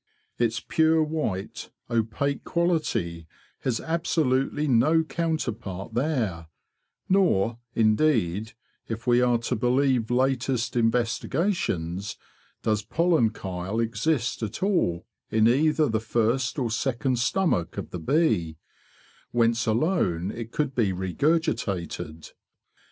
Its pure white, opaque quality has absolutely no counterpart there: nor, indeed—if we are to believe latest investigations—does pollen chyle exist at all in either the first or second stomach of the bee, whence alone it could be regurgitated.